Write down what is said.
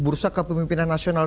bursa kepemimpinan nasional